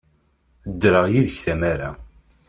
Ddreɣ yid-k tamara.